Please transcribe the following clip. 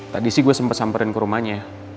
tadi sih gue sempat samperin ke rumahnya